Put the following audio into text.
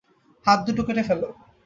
হাত দুটো কেটে ফেলো।